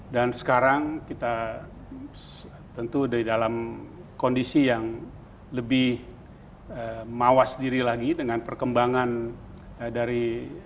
dan sekarang kita tentu dalam kondisi yang lebih mawas diri lagi dengan perkembangan dari